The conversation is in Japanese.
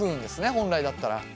本来だったら。